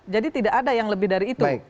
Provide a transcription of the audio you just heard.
jadi tidak ada yang lebih dari itu